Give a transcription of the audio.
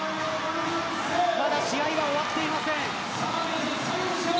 まだ試合は終わっていません。